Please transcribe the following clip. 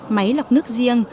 máy lọc nước riêng